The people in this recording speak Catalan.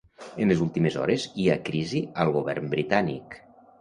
En les últimes hores hi ha crisi al govern britànic.